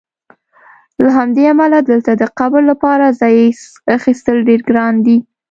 له همدې امله دلته د قبر لپاره ځای اخیستل ډېر ګران دي.